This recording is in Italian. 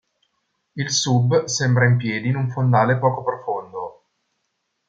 Il sub sembra in piedi in un fondale poco profondo.